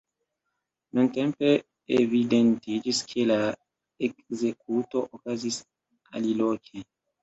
Nuntempe evidentiĝis, ke la ekzekuto okazis aliloke.